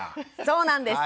そうなんです。